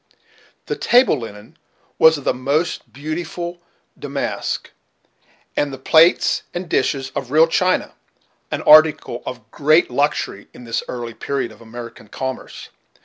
The table linen was of the most beautiful damask, and the plates and dishes of real china, an article of great luxury at this early period of American commerce.